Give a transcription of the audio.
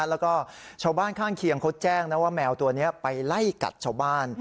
แล้วก็ชาวบ้านข้างเคียงเขาแจ้งนะว่าแมวตัวนี้ไปไล่กัดชาวบ้าน